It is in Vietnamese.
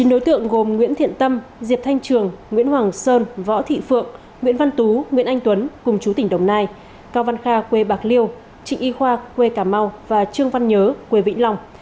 chín đối tượng gồm nguyễn thiện tâm diệp thanh trường nguyễn hoàng sơn võ thị phượng nguyễn văn tú nguyễn anh tuấn cùng chú tỉnh đồng nai cao văn kha quê bạc liêu trịnh y khoa quê cà mau và trương văn nhớ quê vĩnh long